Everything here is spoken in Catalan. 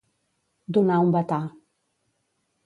Donar un batà.